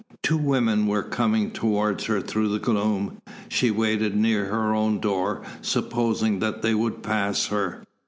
Two women were coming towards her through the gloom. She waited near her own door, supposing that they would pass her.